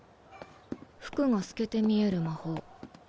服が透けて見える魔法。